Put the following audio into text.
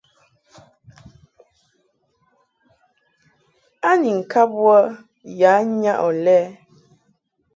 A ni ŋkab wə ya nyaʼ ɔ lɛ ?